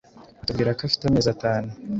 atubwira ko afite amezi atanu